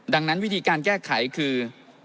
ดังนั้นวิธีการแก้ไขคือ